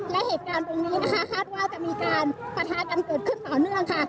และเหตุการณ์ตรงนี้นะคะคาดว่าจะมีการปะทะกันเกิดขึ้นต่อเนื่องค่ะ